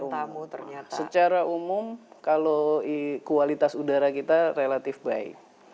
secara umum kalau kualitas udara kita relatif baik